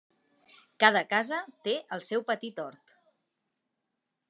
Cada casa té el seu petit hort.